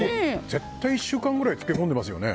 絶対１週間くらい漬けこんでいますよね。